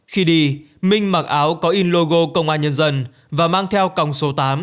khi đi minh mặc áo có in logo công an nhân dân và mang theo còng số tám